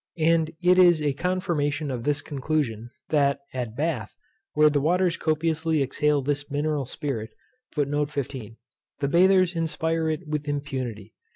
And it is a confirmation of this conclusion, that at Bath, where the waters copiously exhale this mineral spirit, the bathers inspire it with impunity.